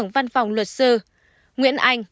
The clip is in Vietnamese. văn phòng luật sư nguyễn anh